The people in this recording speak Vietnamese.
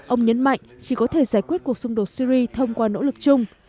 ông nhấn mạnh chỉ có thể giải quyết cuộc xung đột syri thông qua nỗ lực chung